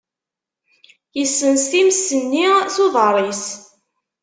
Yessens times-nni s uḍar-is.